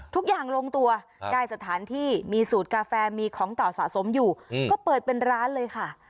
ทุกอย่างลงตัวได้สถานที่มีสูตรกาแฟมีของเก่าสะสมอยู่ก็เปิดเป็นร้านเลยค่ะ